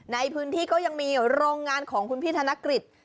ในพื้นที่ก็ยังมีโรงงานของคุณพี่ธนกฤษ